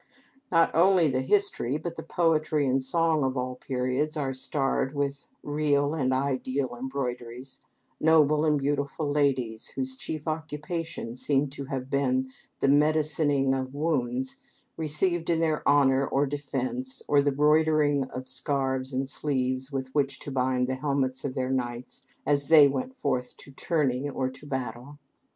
Not only the history, but the poetry and song of all periods are starred with real and ideal embroideries noble and beautiful ladies, whose chief occupations seem to have been the medicining of wounds received in their honor or defense, or the broidering of scarfs and sleeves with which to bind the helmets of their knights as they went forth to tourney or to battle.